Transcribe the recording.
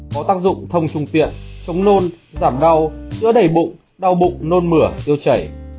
có tác dụng thông trung tiện chống nôn giảm đau giữa đẩy bụng đau bụng nôn mửa tiêu chảy